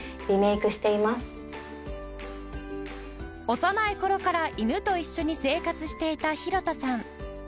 幼い頃から犬と一緒に生活していた廣田さん